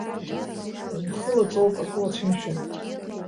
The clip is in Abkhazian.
Умхы лаҵоуп, акы уацәымшәан.